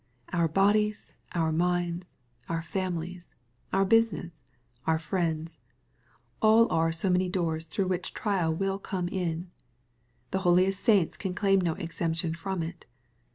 Our bodies, our minds, our fami lies, bur business, our friends, are all so many doors through which trial will come in. The holiest saints can claim no exemption from it.